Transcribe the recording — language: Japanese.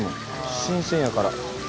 新鮮やから。